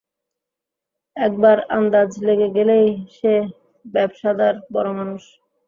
একবার আন্দাজ লেগে গেলেই সে ব্যবসাদার বড়মানুষ।